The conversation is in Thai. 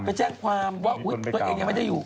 ว่าตัวเองยังไม่ได้อยู่